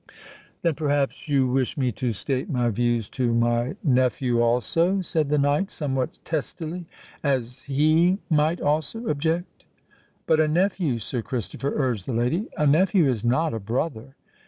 "Then perhaps you wish me to state my views to my nephew also," said the knight somewhat testily: "as he might also object." "But a nephew, Sir Christopher," urged the lady,—"a nephew is not a brother."